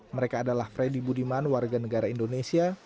mereka adalah freddy budiman warga negara indonesia